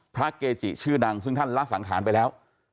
พระเกจิชื่อดังซึ่งท่านละสังขารไปแล้ว